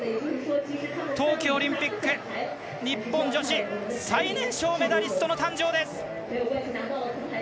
冬季オリンピック日本女子最年少メダリスト誕生！